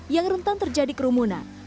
yang rentan terjadi kerumunan